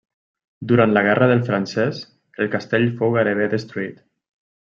Durant la Guerra del Francès el castell fou gairebé destruït.